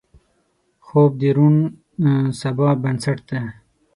خوب د روڼ سبا بنسټ دی